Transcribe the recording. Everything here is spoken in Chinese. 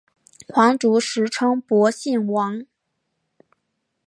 皇族时称博信王。